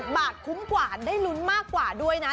บาทคุ้มกว่าได้ลุ้นมากกว่าด้วยนะ